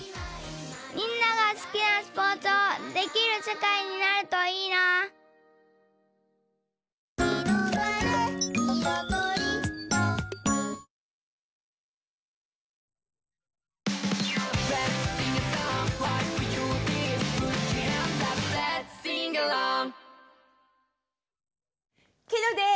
みんながすきなスポーツをできるせかいになるといいなケロです！